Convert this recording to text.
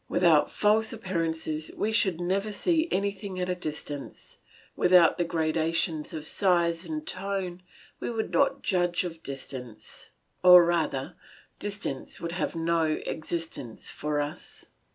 Without false appearances we should never see anything at a distance; without the gradations of size and tone we could not judge of distance, or rather distance would have no existence for us.